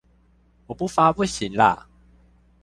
我不發不行啦！